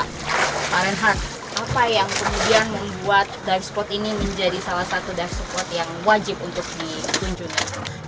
pak renhard apa yang kemudian membuat dive spot ini menjadi salah satu dive spot yang wajib untuk dikunjungi